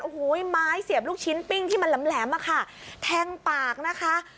โอ้โหไม้เสียบลูกชิ้นปิ้งที่มันแหลมมาค่ะแทงปากนะคะ